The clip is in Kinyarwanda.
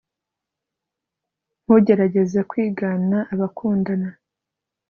ntugerageze kwigana abakundana